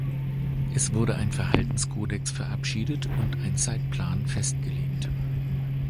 Es wurde ein Verhaltenskodex verabschiedet und ein Zeitplan festgelegt.